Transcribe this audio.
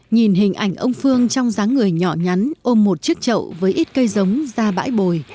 nhìn hình ảnh ông phương trong dáng người nhỏ nhắn ôm một chiếc chậu với ít cây giống ra bãi bồi